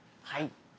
はい。